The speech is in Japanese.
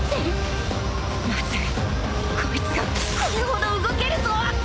こいつがこれほど動けるとは！